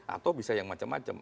atau bisa yang macam macam